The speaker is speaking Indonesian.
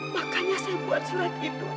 makanya saya buat selain itu non